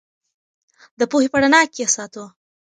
د پوهې په رڼا کې یې وساتو.